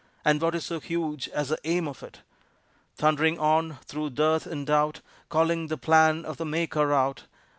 And what is so huge as the aim of it? Thundering on through dearth and doubt, Calling the plan of the Maker out.